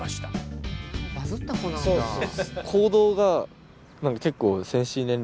バズった子なんだ。